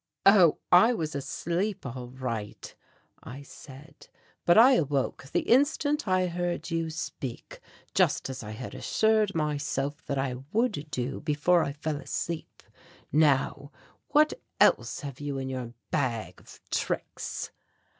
"Oh, I was asleep all right," I said, "but I awoke the instant I heard you speak, just as I had assured myself that I would do before I fell asleep. Now what else have you in your bag of tricks?"